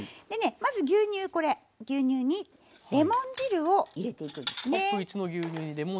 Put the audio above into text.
まず牛乳これ牛乳にレモン汁を入れていくんですね。